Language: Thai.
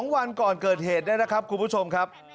วันก่อนเกิดเหตุเนี่ยนะครับคุณผู้ชมครับ